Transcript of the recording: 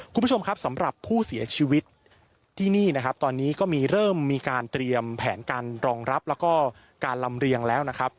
คุณผู้ชมครับสำหรับผู้เสียชีวิตที่นี่นะครับตอนนี้ก็มีเริ่มมีการเตรียมแผนการรองรับแล้วก็การลำเรียงแล้วนะครับ